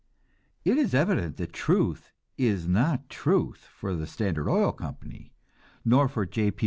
It is evident that truth is not truth for the Standard Oil Company, nor for J. P.